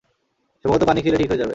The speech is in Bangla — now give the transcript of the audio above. সম্ভবত পানি খেলে ঠিক হয়ে যাবে।